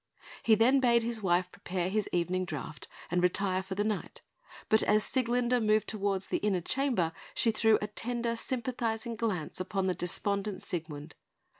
He then bade his wife prepare his evening draught, and retire for the night; but as Sieglinde moved towards the inner chamber, she threw a tender, sympathising glance upon the despondent Siegmund.